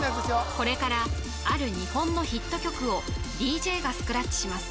これからある日本のヒット曲をＤＪがスクラッチします